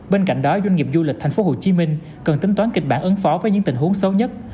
bên cạnh đó doanh nghiệp du lịch thành phố hồ chí minh cần tính toán kịch bản ứng phó với những tình huống sâu nhất